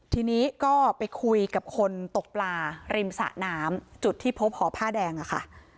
ทีนี้ก็ไปคุยกับคนตกปลาริมสะน้ำจุดที่พบหอผ้าแดงอะค่ะ